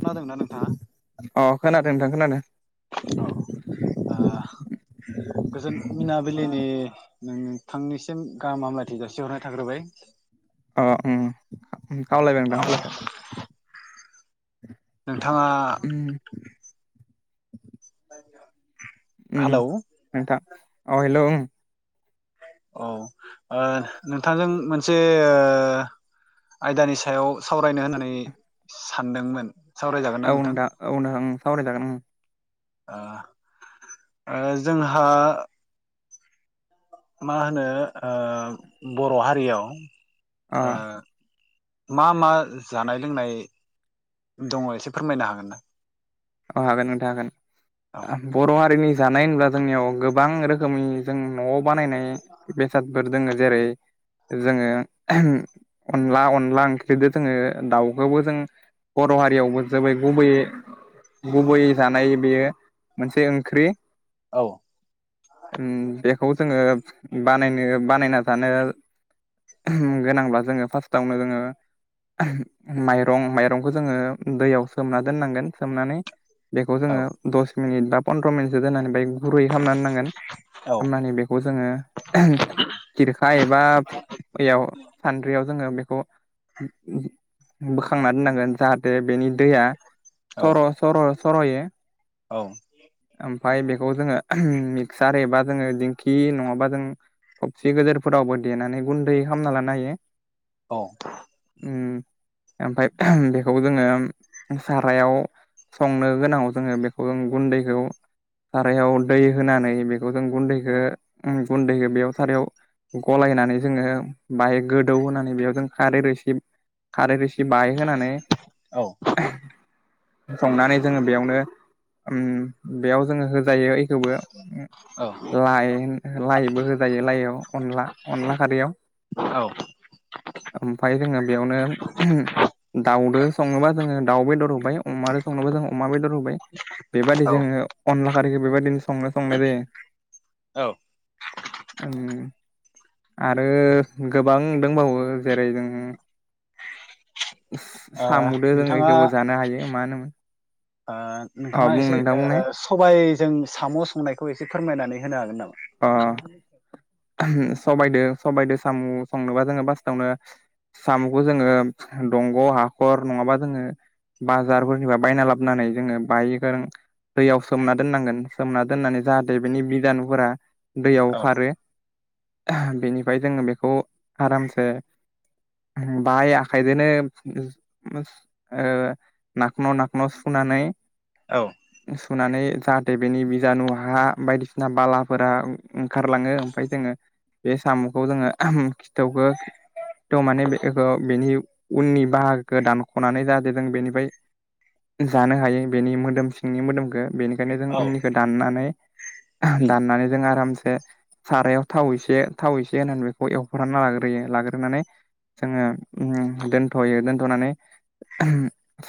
खोनादोंना नोंथाङा? अ खोनादों नोंथां खोनादो। औ ओ गोजोन मोनाबिलिनि नोंथांनिसिम गाहाम हामलायथि जासिहरनाय थाग्रोबाय, अ ओं ओम खावलायबाय नोंथां खावलायबाय, नोंथाङा, उम ओम हेलौ नोंथां अ हेलौ ओम। औ ओ नोंथांजों मोनसे ओ आयदानि सायाव सावरायनो होननानै सानदोंमोन। सावरायजागोन ना औ नोंथां औ नोंथां ओं सावरायजागोन ओं। ओ ओ जोंहा। मा होनो ओ बर' हारियाव अ ओ मा मा जानाय लोंनाय दङ एसे फोरमायनो हागोन ना? औ हागोन नोंथा हागोन औ बर' हारिनि जानाय होनब्ला। जोंनियाव गोबां रोखोमनि जों न'आव बानायनाय बेसादफोर दङ जेरै। जोङो अनला अनला ओंख्रिजों जोङो दाउखौबो जों। बर' हारियावबो जोबाय गुबैयै। गुबै जानाय बेयो मोनसे ओंख्रि। औ ओं बेखौ। जोङो बानायनो बानायना जानो। गोनांब्ला जोङो फार्स्टावनो जोङो। माइरं माइरंखौ जोङो दैयाव सोमना दोननांगोन सोमनानै। बेखौ औ जोङो दस मिनिट बा पन्द्र' मिनिटसो दोननानै बाय गुरै खालामना दोननांगोन। औ खामनानै बेखौ जोङो। खिरखा एबा बेयाव सान्द्रियाव जोङो बेखौ। बोखांना दोननांगोन जाहाथे बेनि दैया औ सर' सर' सर'यो। औ। ओमफाय बेखौ जोङो मिक्सार एबा जोङो दिंखि नङाबा जों। थबसि गोदोरफोरावबो देनानै गुन्दै खालामना लानो हायो। औ। उम ओमफ्राय बेखौ जोङो सारायाव। संनो गोनाङाव जोङो बेखौ जों गुन्दैखौ। सारायाव दै होनानै बेखौ जों गुन्दैखौ गुन्दैखौ बेयाव सारायाव। गलायनानै जोङो बाहाय गोदौ होनानै बेयाव जों खारै रोसि खारै रोसि। जि बाहाय होनानै। औ संनानै जोङो बेयावनो उम बेयाव जोङो होजायो बेखौबो। लाइ लाइबो होजायो लाइआव अनला अनला खारैयाव। औ ओमफ्राय जोङो बेयावनो दाउदो। संनोबा दाउ बेदर होबाय अमाजों संनोबा जों अमा बेदर होबाय बेबादि औ जोओ। सफारिखौ बेबायदिनो संनाय संनाय जायो। औ। ओं। आरो गोबां दंबावो जेरै जों। साम'दो जोङो नोंथाङा गोबो जानो हायो मा होनोमोन? ओ अ नोंथाङा बुं एसे नोंथां बुंनाय ओ सबायजों साम' संनायखौ एसे फोरमायनानै। होनो हागोन नामा? अह। सबाइदो सबाइदो साम' संनोबा जोङो फास्टावनो। साम'खौ जोङो दंग' हाखर नङाबा जोङो। बाजारफोरनिफाय बायना लाबोनानै जोङो बायो गों। दैयाव सोमना दोननांगोन सोमना दोननानै जाहाथे बिनि बिजदानुफोरा दैयाव औ खारो। बेनिफ्राय जोङो बेखौ आरामसे। बाय आखाइजोंनो ओ नाखन' नाखन' सु। सुनानै। जाहाथे बेनि बिजानु हा बायदिसिना बालाफोरा ओंखारलाङो। ओमफ्राय जोङो बे साम'खौ जोङो खिथावखो। थ' माने बेखौ बेनि उननि बाहागोखौ दानख'नानै जाहाथे जों बेनिफ्राय। जानो हायो बेनि मोदोम सिंनि मोदोमखो बेनिखायनो जों औ उननिखौ दाननानै उम दाननानै जों आरामसे सारायाव थाव एसे थाव एसे होनानै बेखौ एवफ्रामना लाग्रोयो लाग्रोनानै जोङो दोनथ'यो दोनथ'नानै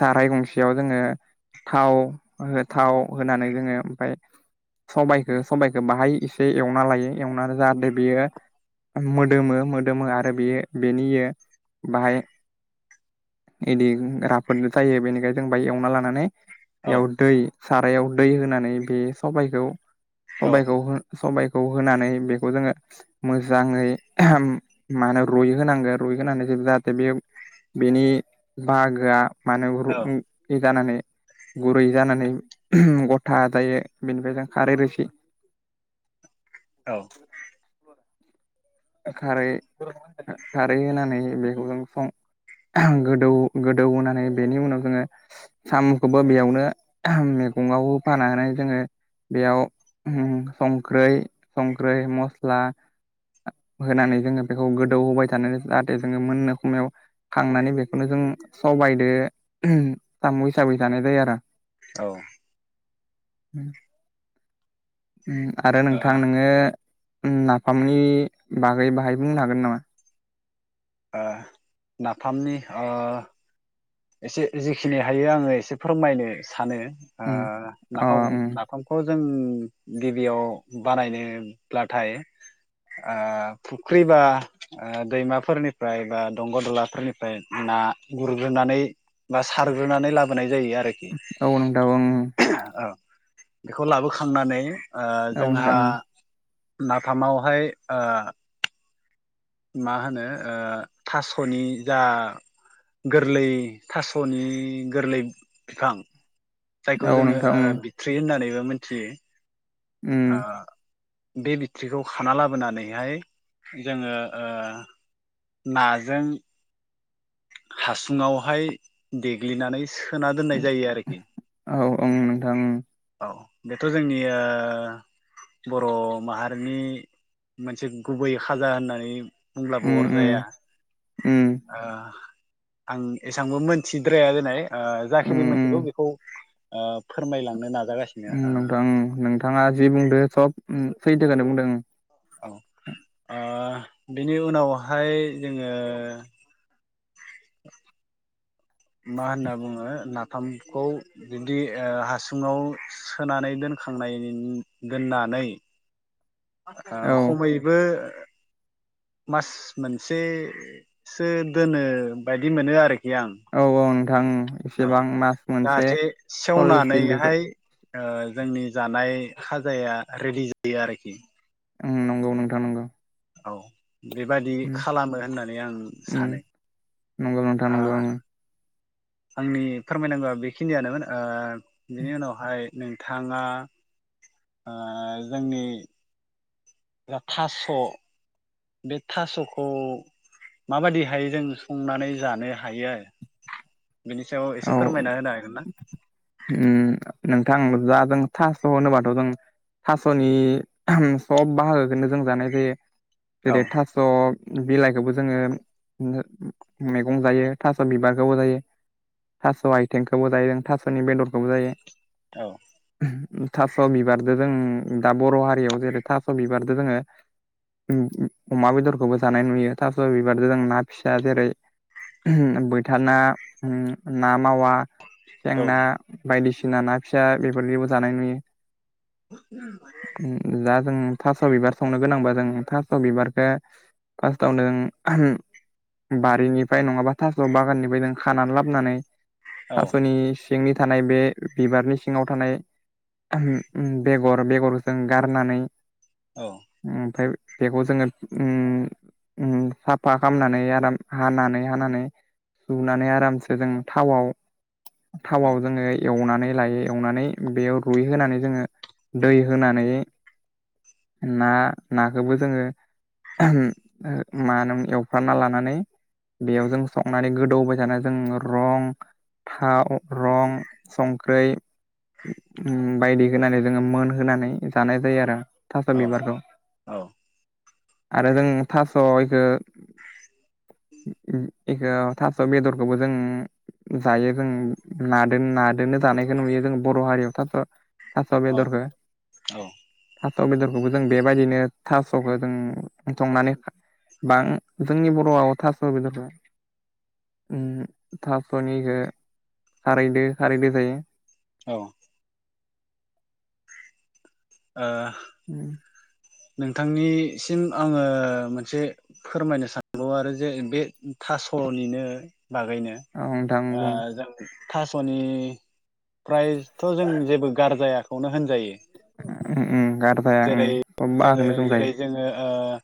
साराय गंसेयाव जोङो थाव थाव होनानै जोङो ओमफ्राय सबाइखौ सबाइखौ बाहाय एसे एवना लायो एवनानै जाहाथे बेयो मोदोमो मोदोमो आरो बेयो बेनि बाहाय इदि राफोदनो जायो बेनिखायनो जों बाहाय एवना लानानै औ बेयाव दै सारायाव दै होनानै बे सबायखौ औ सबायखौ होना सबायखौ होनानै बेखौ जोङो मोजाङै मा होनो रुय होनांगौ रुय होनानै जाहाथे बे बेनि बाहागोआ औ [unintelligible] जानानै गुरै जानानै गथा जायो बेनिफ्राय जों खारै रोसि [inaudible] औ खारै खारै होनानै बेखौ जों सं गोदौ गोदौ होनानै बेनि उनाव जोङो साम'खौबो बेयावनो मैगङाव होफानानै जोङो बेयाव संख्रै संख्रै मस्ला होनानै जोङो बेखौ गोदौ होबाय थानानै जाहाथे जोङो मोननो समायाव खांनानै बेखौनो जों सबायदो साम' हिसाबै जानाय जायो आरो। औ हम आरो नोंथां ओ नोङो नाफामनि बागै बाहाय बुंनो हागोन नामा नाफामनि ओ एसे जिखिनि हायो आङो एसे फोरमायनो सानो अ नाफाम ओं नाफामखौ जों गिबियाव बानायनोब्लाथाय ओ फुख्रि बा दैमाफोरनिफ्राय बा दंग' दलाफोरनिफ्राय ना गुरग्रोनानै बा सारग्रोनानै लाबोनाय जायो आरोखि औ नोंथां ओं ओ बेखौ लाबोखांनानै ओ औ जोंहा नोंथां नाफामावहाय ओ मा होनो ओ थास'नि जा गोरलै थास'नि गोरलै बिफां जायखौ औ जोङो नोंथां ओं बिथ्रि होननानैबो मिथियो उम आ बे बिथ्रिखौ खाना लाबोनानैहाय जोङो ओ नाजों हासुङावहाय देग्लिनानै सोना दोननाय जायो आरोखि औ ओं नोंथां ओं औ बेथ' जोंनिया बर' माहारिनि मोनसे गुबै खाजा होननानै बुंब्लाबो उम उम अरजाया उम ओ आं एसांबो मोनथिद्राया जेनाय उम जाखिनि उम मोनथिगौ बेखौ फोरमायलांनो ना नोंथां नोंथाङा जि बुंदों सब सैथोखौनो बुंदों औ बेनि उनावहाय जोङो [inaudible] मा होनना बुङो नाफामखौ बिदि ओ हासुङाव सोनानै दोन खांनायनि दोननानै ओ औ खमैबो मास मोनसेसो दोनो बायदि मोनो आरोखि यां औ औ नोंथां औ एसेबां मास मोनसे जाहाथे सल्लिस दिन बेफोर सेवनानैहाय ओ जोंनि जानाय खाजाया रेडि जायो आरोखि नंगौ नोंथां नंगौ औ बेबादि उम खालामो होननानै आं उम सानो नंगौ नोंथां नंगौ ओ ओं आंनि फोरमायनांगौआ बेखिनियानोमोन बिनि उनावहाय नोंथाङा ओ जोंनि थास' बे थास'खौ माबायदिहाय जों संनानै जानो हायो आरो बिनि सायाव औ एसे फोरमायना होनो हागोन ना थां जा जों थास' होनोबाथ' जों थास'नि सब बाहागोखौनो जों जानाय जायो जेरै औ थास' बिलाइखौबो जोङो मैगं जायो थास' बिबारखौबो जायो थास' आइथेंखौबो जायो जों थास'नि बेदरखौबो जायो औ थास' बिबारजों जों दा बर' हारियाव जेरै थास' बिबारजों जोङो अमा बेदरखौबो जानाय नुयो थास' बिबारजों जों ना फिसा जेरै बैथा ना ना मावा औ सेंना औ बायदिसिना ना फिसा बेफोरदिबो जानाय नुयो दा जों थास' बिबार संनो गोनांबा जों थास' बिबारखौ फार्स्टाव नो बारिनिफ्राय नङाबा थास' बागाननिफ्राय जों खानानै लाबोनानै औ थास'नि सिंनि थानाय बे बिबारनि सिङाव थानाय [unintelligible] बेगर बेगरजों गारनानै औ ओमफ्राय बेखौ जोंङो ओम ओम साफा खालामनानै आराम हानानै हानानै सुनानै आरामसे जों थावआव औ थावाव जोङो एवनानै लायो एवनानै बेयाव रुइहोनानै जोंङो दै होनानै ना नाखौबो जोंङो मा होनो एवफ्रना लानानै बेयाव जों संनानै गोदौबाय जानो जों रं थाव रं संख्रै बायदि होनानै जोंङो मोनहोनानै जानाय जायो आरो। थास' औ बिबारखौ औ। आरो जों थास' इखौ इखौ थास' स' बेदरखौबो जों जायो जों नादोन नादोनो जानायखौ नुयो जों बर' हारियावथाथ' थास' औ बेदरखो औ थास' बेदरखोबो जों बेबायदिनो थास' थासखो जों संनानै बां जोंनि बर'आव थास' बेदर ओम थासनिखो खारैदो खारैदो जायो। औ। ओ [inaudible] नोंथांनिसिम आंङो मोनसे फोरमायनो सानो ल' आरो जे बे थास'निनो बागैनो औ नोंथां ओ बुं जों थास'नि प्राइज थ' जों जेबो गारजायाखौनो होनजायो। उम उम गारजाया। सब जोंङो बाहागोनो जों जायो जेरै जोंङो ओह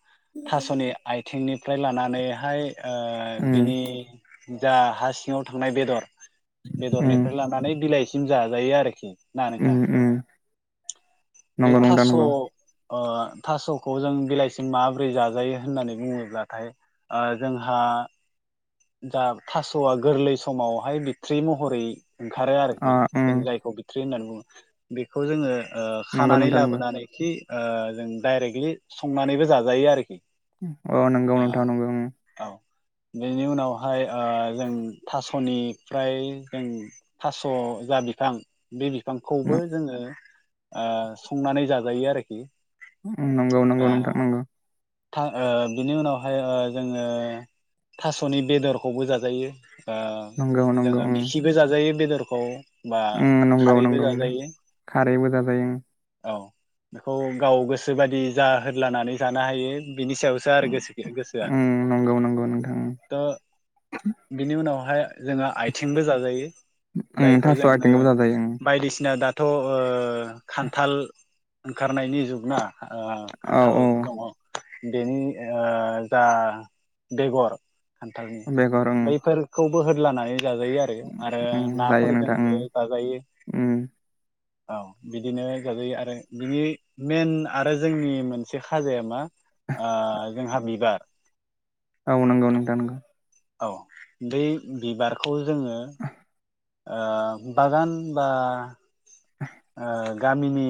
थास'नि आइथिंनिफ्राय लानानैहाय। ओह उम बिनि जा हा सिङाव थांनाय बेदर। उम बेदरनिफ्राय लानानै बिलाइसिम जाजायो आरोखि। ना नोंथां उम उम बे नंगौ नोंथां थास'। नंगौ ओह थास'खौ जों बिलाइसिम माबोरै जाजायो होननानै बुङोब्लाथाय ओह जोंहा। आ जा थास'आ गोरलै समावहाय बिथ्रि महरै। ओंखारो अ आरोखि उम जों जायखौ बिथ्रि होननानै बुङो बेखौ जोंङो। ओ नंगौ खानानै नोंथां नंगौ लाबोनानै खि ओह जों दाइरेकलि संनानैबो जाजायो आरोखि। अ नंगौ ओ नोंथां नंगौ ओं। औ बेनि उनावहाय ओह जों थास। ख'निफ्राय जों थास' जा बिफां बे बिफांखौबो जोंङो ओ संनानै जाजायो आरोखि। ओम नंगौ नंगौ ओ नोंथां नंगौ। था ओ बिनि उनावहाय ओ जोंङो थास'नि बेदरखौबो जाजायो। नंगौ ओह नंगौ जोंङो उम मिखिबो जाजायो बेदरखौ। बा उम नंगौ खारैबो नंगौ नोंथां जाजायो खारैबो जाजायो औ। बेखौ गाव गोसो बादि जा होदलानानै जानो हायो। बिनि सायावसो आरो गोसो गोसोआ उम नंगौ नंगौ नोंथां त बिनि उनाव। हाय जोंङो आथिंबो जाजायो उम जायखौ थास' जोंङो आथिंबो जाजायो उम बायदिसिना दा थ' ओह खान्थाल ओंखारनायनि जुगना। ओह औ खान्थाल दङ औ बेनि ओह जा। बेगर खान्थालनि बेगर उम बैफोरखौबो होदलानानै। जाजायो आरो आरो उम जायो नोंथां उम नाफोरजोंबो जाजायो। उम औ बिदिनो जाजायो आरो बिनि मेन आरो जोंनि मोनसे खाजाया मा। ओह जोंहा बिबार। औ नोंगौ नोंथां नोंगौ। औ दै बिबारखौ जोङो। ओह बागान बा। ओह गामिनि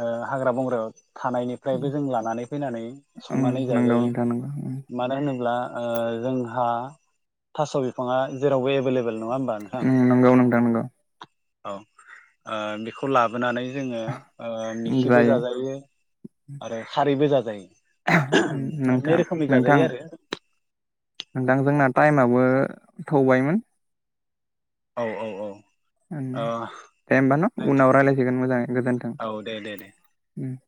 ओह हाग्रा बंग्रायाव। थानायनिफ्रायबो जों लानानै फैनानै उम संनानै नंगौ जाजायो नोंथां नंगौ मानो होनोब्ला। ओ जोंहा थास' बिफाङा जेरावबो एबोल लेबोल। ओम नंगौ नोंथां नंगौ। औ ओह बेखौ लाबोनानै। जोङो ओह मिखिबो जायो जाजायो आरो खारैबो जाजायो। उम मोननै नोंथां रोखोमनि नोंथां जाजायो आरो। नोंथां जोंना ताइमाबो थौबायमोन। औ औ औ। ओम औ दे होमबा न' नों उनाव रायलायसिगोन मोजाङै गोजोन्थों औ दे दे दे ओम।